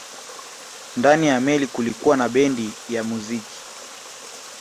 Ndani ya meli kulikuwa na bendi ya muziki